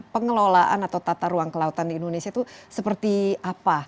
pengelolaan atau tata ruang kelautan di indonesia itu seperti apa